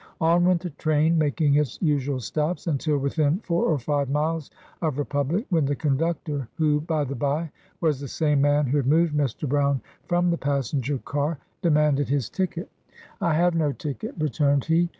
On went the train, making its usual stops, until within four or five miles of Re public, when the conductor, (who, by the by, was the same man who had moved Mr. Brown from the passen ger car) demanded his ticket. "I have no ticket," returned he.